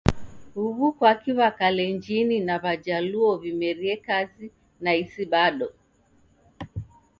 Huw'u kwaki W'akalenjini na W'ajaluo w'imerie kazi na isi bado?